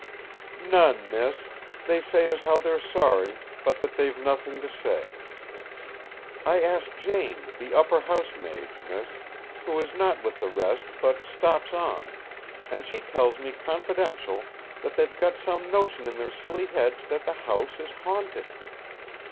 "None, miss. They say as how they're sorry, but that they've nothing to say. I asked Jane, the upper housemaid, miss, who is not with the rest but stops on; and she tells me confidential that they've got some notion in their silly heads that the house is haunted!"